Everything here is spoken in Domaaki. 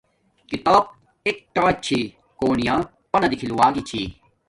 کتاب ایک ٹارچ چھی کوننیا پانا دیکھل وگی چھی